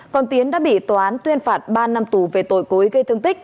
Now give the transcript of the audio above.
còn tiến đã bị tòa án tuyên phạt ba năm tù về tội cố ý gây thương tích